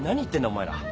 お前ら。